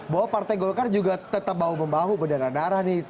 bahwa partai golkar juga tetap bahu membahu berdarah darah nih